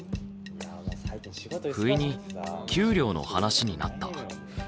ふいに給料の話になった。